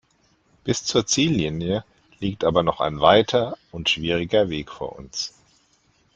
Bis zur Ziellinie liegt aber noch ein weiter und schwieriger Weg vor uns.